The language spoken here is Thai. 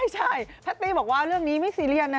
ใช่แพตตี้บอกว่าเรื่องนี้ไม่ซีเรียสนะ